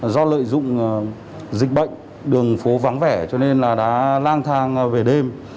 do lợi dụng dịch bệnh đường phố vắng vẻ cho nên là đã lang thang về đêm